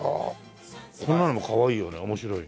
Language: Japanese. こんなのもかわいいよね面白い。